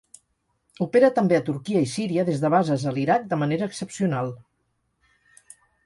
Opera també a Turquia i Síria des de bases a l'Iraq de manera excepcional.